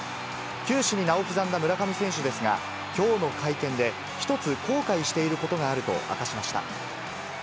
球史に名を刻んだ村上選手ですが、きょうの会見で、１つ後悔していることがあると明かしました。